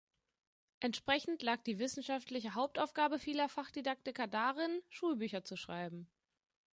Entsprechend lag die wissenschaftliche Hauptaufgabe vieler Fachdidaktiker darin, Schulbücher zu schreiben.